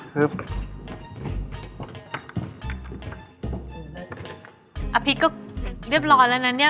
อภิษก็เรียบร้อยแล้วนะเนี่ย